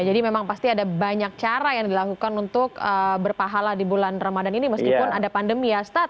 jadi memang pasti ada banyak cara yang dilakukan untuk berpahala di bulan ramadhan ini meskipun ada pandemi ya ustadz